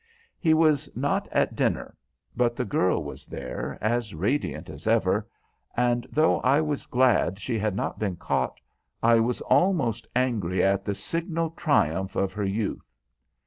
He was not at dinner, but the girl was there, as radiant as ever, and though I was glad she had not been caught, I was almost angry at the signal triumph of her youth.